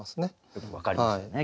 よく分かりますよね